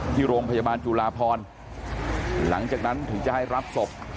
ที่โรงพยาบาลจุลาพรหลังจากนั้นถึงจะให้รับศพ